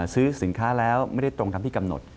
ซื้อสินค้าแล้วไม่ได้ตรงตามที่กำหนด